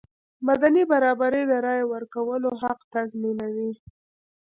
مدني برابري د رایې ورکولو حق تضمینوي.